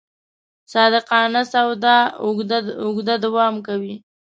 صادقانه سودا اوږده دوام کوي.